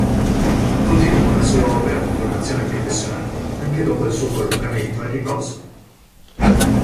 Continuò la sua opera di formazione professionale anche dopo il suo collocamento a riposo.